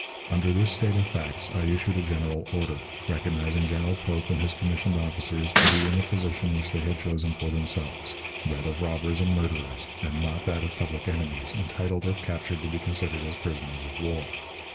Under this state of facts, I issued a general order, recognizing General Pope and his commissioned officers to be in the position which they had chosen for themselves that of robbers and murderers, and not that of public enemies, entitled, if captured, to be considered as prisoners of war.